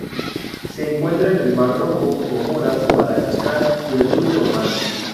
Se encuentra en el Mar Rojo, Comoras, Madagascar y el sur de Omán.